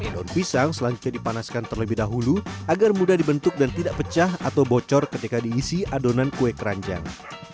daun pisang selanjutnya dipanaskan terlebih dahulu agar mudah dibentuk dan tidak pecah atau bocor ketika diisi adonan kue keranjang